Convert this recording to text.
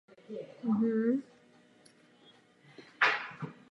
Stejně jako jeho předchůdce, ústava, ztroskotal na skále demokracie.